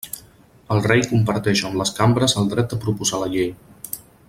El rei comparteix amb les cambres el dret de proposar la llei.